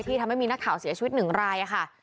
ที่ทำให้มีนักข่าวเสียชีวิต๑รายอะค่ะ